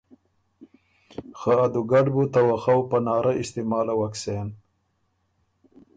خه ا دُوګډ بُو ته وخؤ پاره استعمالوک سېن